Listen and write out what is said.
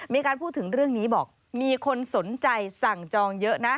มีการพูดถึงเรื่องนี้บอกมีคนสนใจสั่งจองเยอะนะ